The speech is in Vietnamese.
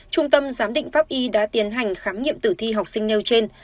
trung tâm giám định pháp y đã tiến hành khám nghiệm tử thi học sinh nêu trên